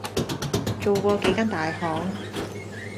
做過幾間大行